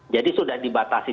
jadi sudah dibatasi